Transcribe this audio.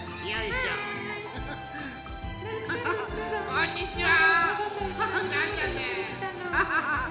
こんにちは。